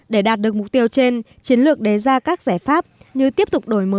để đạt được mục tiêu trên chiến lược đề ra các giải pháp như tiếp tục đổi mới